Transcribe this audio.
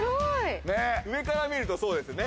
上から見るとそうですね。